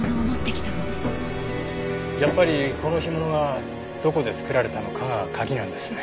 やっぱりこの干物がどこで作られたのかがカギなんですね。